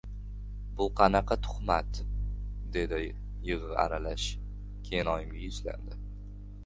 — Bu qanaqa tuhmat! — dedi yig‘i aralash. Keyin oyimga yuzlandi.